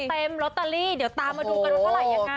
เต็มลอตเตอรี่เดี๋ยวตามมาดูกันว่าเท่าไหร่อย่างงี้